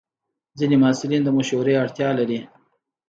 ځینې محصلین د مشورې اړتیا لري.